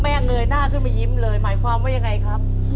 เงยหน้าขึ้นมายิ้มเลยหมายความว่ายังไงครับ